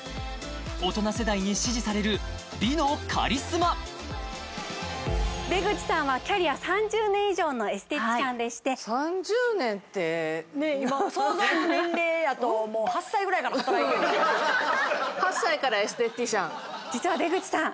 大人世代に支持される美のカリスマ出口さんはキャリア３０年以上のエステティシャンでしてはいねっ今想像の年齢やともう８歳からエステティシャン出口さん